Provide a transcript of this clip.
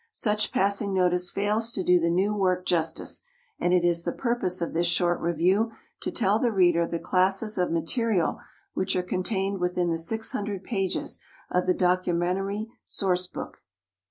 Such passing notice fails to do the new work justice, and it is the purpose of this short review to tell the reader the classes of material which are contained within the six hundred pages of the Documentary Source Book.